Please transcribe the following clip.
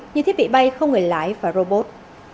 như thiết bị bay không người lái và robot